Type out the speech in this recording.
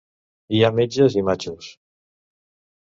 Hi ha metges i matxos.